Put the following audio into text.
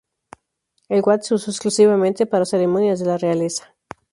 El Wat se usó exclusivamente para ceremonias de la realeza.